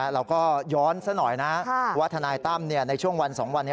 เราก็ย้อนซะหน่อยนะว่าทนายตั้มในช่วงวัน๒วันนี้